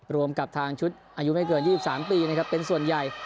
รวมกับทางชุดอายุไม่เกิน๒๓ปีนะครับเป็นส่วนใหญ่